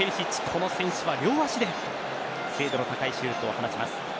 この選手は両足で精度の高いシュートを放ちます。